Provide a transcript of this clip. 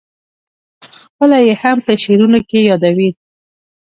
خپله یې هم په شعرونو کې یادوې.